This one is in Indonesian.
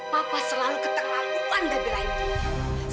papa selalu keterlaluan dengan belanya